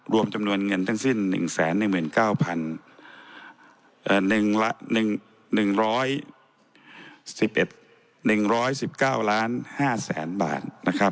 รวมจำนวนเงินทั้งสิ้น๑๑๙๑๑๙ล้าน๕แสนบาท